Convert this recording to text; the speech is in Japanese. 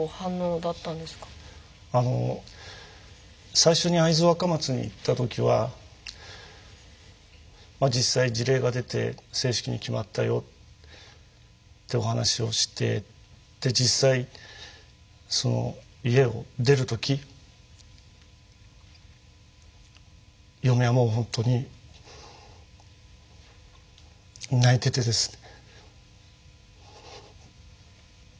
最初に会津若松に行った時は実際辞令が出て正式に決まったよってお話をしてで実際その家を出る時嫁はもうほんとに泣いててですね。